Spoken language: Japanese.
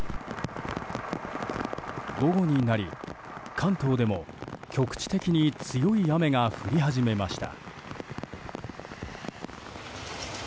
午後になり関東でも局地的に強い雨が降り始めました。